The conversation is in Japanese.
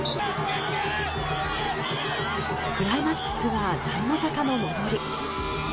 クライマックスは団子坂の登り。